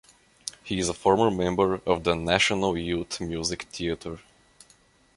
He is a former member of the National Youth Music Theatre.